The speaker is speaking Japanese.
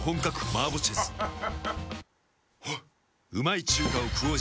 あっ。